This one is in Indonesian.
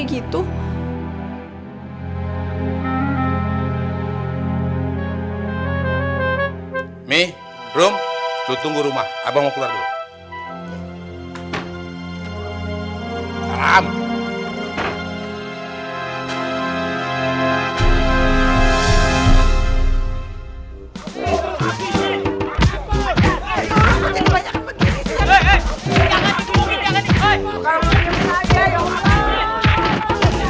kagak bakalan tobat